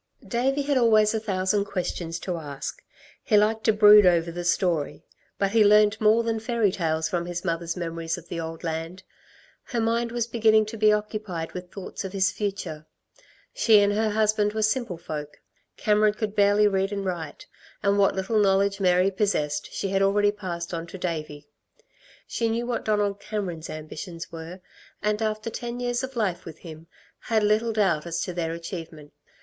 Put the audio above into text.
Davey had always a thousand questions to ask. He liked to brood over the story; but he learnt more than fairy tales from his mother's memories of the old land. Her mind was beginning to be occupied with thoughts of his future. She and her husband were simple folk. Cameron could barely read and write, and what little knowledge Mary possessed she had already passed on to Davey. She knew what Donald Cameron's ambitions were, and after ten years of life with him had little doubt as to their achievement.